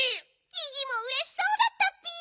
ギギもうれしそうだったッピ。